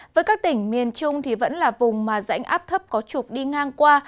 với các tỉnh miền trung thì vẫn là vùng mà rãnh áp thấp có trục đi ngang qua